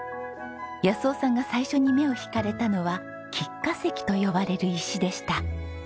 夫さんが最初に目を引かれたのは菊花石と呼ばれる石でした。